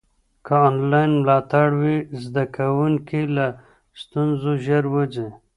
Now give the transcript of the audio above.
که انلاین ملاتړ وي، زده کوونکي له ستونزو ژر وځي.